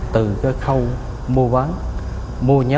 từ cái khâu mua bán mua nhớt